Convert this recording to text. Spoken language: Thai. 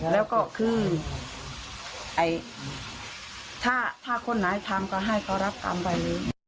แล้วก็คือถ้าคนไหนทำก็ให้เขารับกรรมใบนี้